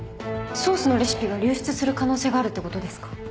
ソースのレシピが流出する可能性があるってことですか？